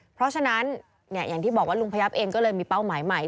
เพราะฉะนั้นอย่างที่บอกว่าลุงพยับเองก็เลยมีเป้าหมายใหม่